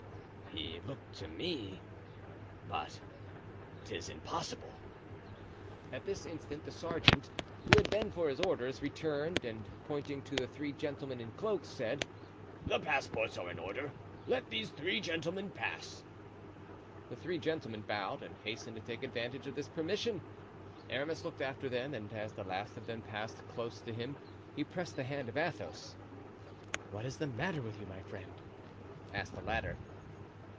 "He looked to me—but 'tis impossible." At this instant the sergeant, who had been for his orders, returned, and pointing to the three gentlemen in cloaks, said: "The passports are in order; let these three gentlemen pass." The three gentlemen bowed and hastened to take advantage of this permission. Aramis looked after them, and as the last of them passed close to him he pressed the hand of Athos. "What is the matter with you, my friend?" asked the latter.